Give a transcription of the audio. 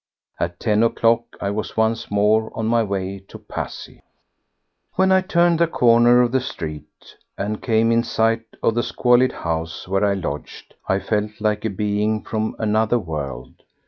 At ten o'clock I was once more on my way to Passy. 5. When I turned the corner of the street and came is sight of the squalid house where I lodged, I felt like a being from another world.